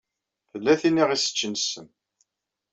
Tella tin i ɣ-iseččen ssem.